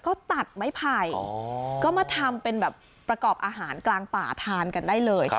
เขาตัดไม้ไผ่ก็มาทำเป็นแบบประกอบอาหารกลางป่าทานกันได้เลย